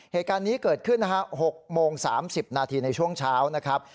เหตุการณ์นี้เกิดขึ้นนะฮะ๖โมง๓๐นาทีในช่วงเช้านะครับ